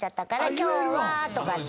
今日はとかって。